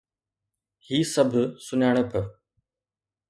هي سڀ سڃاڻپ